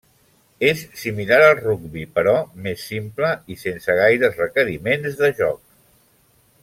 És similar al rugbi, però més simple, i sense gaires requeriments de joc.